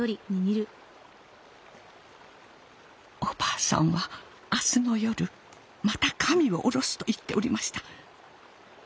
お婆さんは明日の夜また神を降ろすと言っておりました。